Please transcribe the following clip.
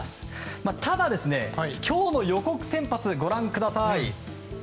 ただ、今日の予告先発をご覧ください。